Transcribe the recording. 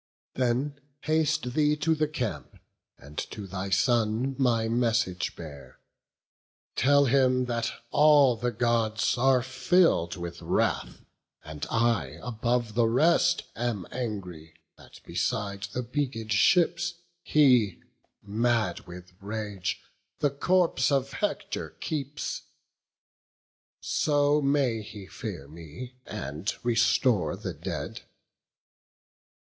Then haste thee to the camp, and to thy son My message bear; tell him that all the Gods Are fill'd with wrath; and I above the rest Am angry, that beside the beaked ships, He, mad with rage, the corpse of Hector keeps: So may he fear me, and restore the dead.